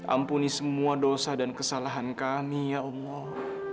ampuni semua dosa dan kesalahan kami ya allah